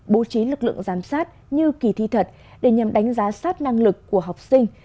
bố trí lực lượng giám sát như kỳ thi thật để nhằm đánh giá sát năng lực của học sinh